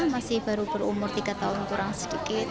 masih baru berumur tiga tahun kurang sedikit